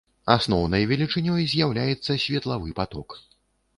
Асноўнай велічынёй з'яўляецца светлавы паток.